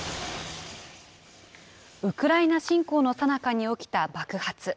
ウクライナ侵攻のさなかに起きた爆発。